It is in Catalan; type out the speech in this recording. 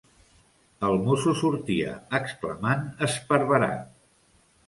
el mosso sortia, exclamant esparverat: